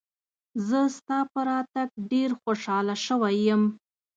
زه ستا په راتګ ډېر خوشاله شوی یم.